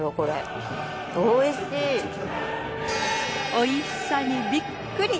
おいしさにびっくり。